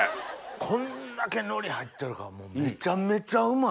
こんだけ海苔入ってるからめちゃめちゃうまい！